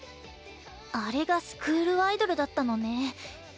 あれがスクールアイドルだったのね。